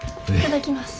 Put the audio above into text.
頂きます。